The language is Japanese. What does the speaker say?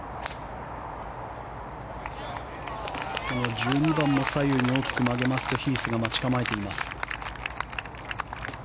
１２番も左右に大きく曲げますとヒースが待ち構えています。